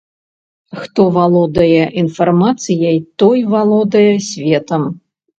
Хто валодае інфармацыяй, той валодае светам.